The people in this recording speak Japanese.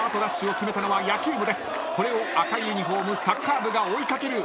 これを赤いユニホームサッカー部が追い掛ける。